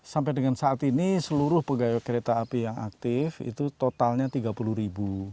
sampai dengan saat ini seluruh pegawai kereta api yang aktif itu totalnya tiga puluh ribu